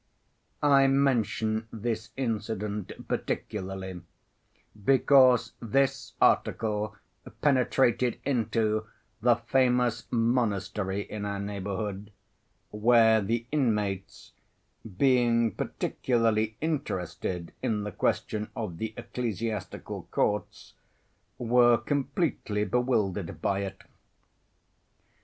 I mention this incident particularly because this article penetrated into the famous monastery in our neighborhood, where the inmates, being particularly interested in the question of the ecclesiastical courts, were completely bewildered by it.